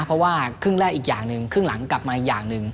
เพราะว่าครึ่งแรกอีกอย่างหนึ่งครึ่งหลังกลับมาอีกอย่างหนึ่ง